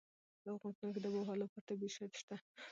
په افغانستان کې د آب وهوا لپاره طبیعي شرایط شته.